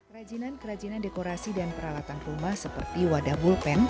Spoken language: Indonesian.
kerajinan kerajinan dekorasi dan peralatan rumah seperti wadah bulpen